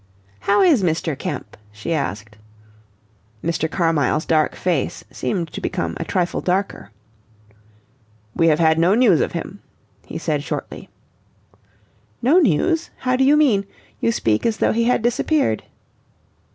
"How is Mr. Kemp?" she asked. Mr. Carmyle's dark face seemed to become a trifle darker. "We have had no news of him," he said shortly. "No news? How do you mean? You speak as though he had disappeared."